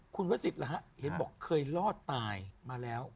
คุณวาสิทธิ์เห็นบอกเคยรอดตายมาแล้ว